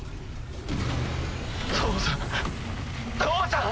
父さん父さん！